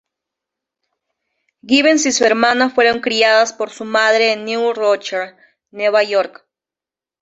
Givens y su hermana fueron criadas por su madre en New Rochelle, Nueva York.